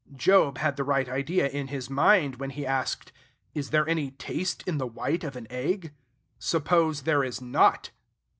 Job had the right idea in his mind when he asked, "Is there any taste in the white of an egg?" Suppose there is not!